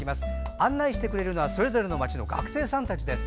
案内してくれるのはそれぞれの街の学生さんたちです。